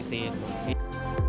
menurut saya itu paling penting